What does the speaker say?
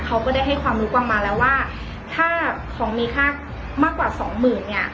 เขาก็ได้ให้ความรู้ออกมาแล้วว่าถ้าของมีค่ามากกว่าสองหมื่นเนี่ย